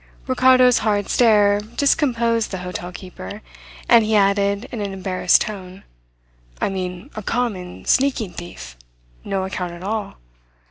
Ricardo's hard stare discomposed the hotel keeper, and he added in an embarrassed tone: "I mean a common, sneaking thief no account at all.